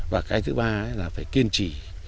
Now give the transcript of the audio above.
và cái thứ ba là phải kiên trì